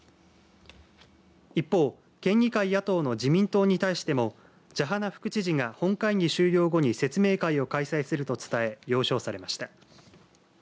一方、県議会野党の自民党に対しても謝花副知事が、本会議終了後に説明会を開催すると伝え了承されました。